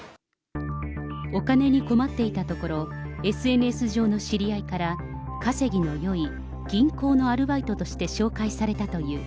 お金に困っていたところ、ＳＮＳ上の知り合いから、稼ぎのよい銀行のアルバイトとして紹介されたという。